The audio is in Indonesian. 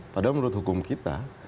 padahal menurut hukum kita